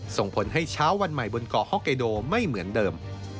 ส่งผลให้เช้าวันใหม่บนเกาะฮอกเกโดไม่เหมือนเดิม